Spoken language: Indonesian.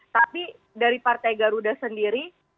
tapi dari partai garuda sendiri